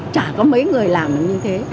chả có mấy người làm được như thế